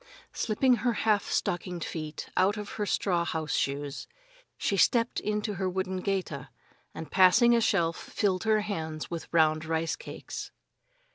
Slipping her half stockinged feet out of her straw house shoes, she stepped into her wooden geta, and passing a shelf, filled her hands with round rice cakes.